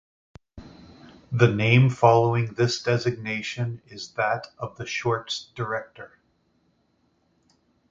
The name following this designation is that of the short's director.